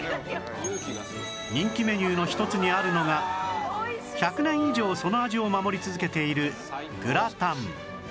人気メニューの一つにあるのが１００年以上その味を守り続けているグラタン